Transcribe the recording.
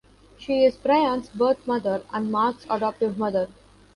She is Bryon's birth mother, and Mark's adoptive mother.